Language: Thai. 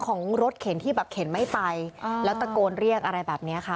ของรถเข็นที่แบบเข็นไม่ไปแล้วตะโกนเรียกอะไรแบบนี้ค่ะ